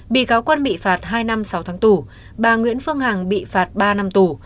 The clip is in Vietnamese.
bị cáo quân bị phạt hai năm sáu tháng tù bà nguyễn phương hằng bị phạt ba năm tù